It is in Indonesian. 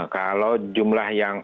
kalau jumlah yang